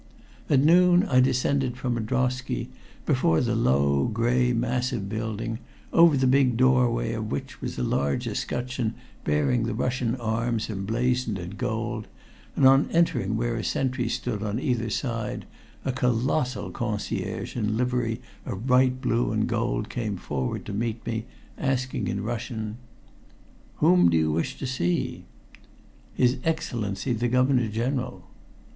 At noon I descended from a drosky before a long, gray, massive building, over the big doorway of which was a large escutcheon bearing the Russian arms emblazoned in gold, and on entering where a sentry stood on either side, a colossal concierge in livery of bright blue and gold came forward to meet me, asking in Russian: "Whom do you wish to see?" "His Excellency, the Governor General."